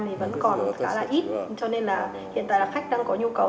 thì vẫn còn khá là ít cho nên là hiện tại là khách đang có nhu cầu